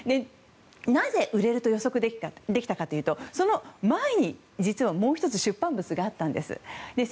なぜ、売れると予測できたかというとその前に実はもう１つ出版物があったんです。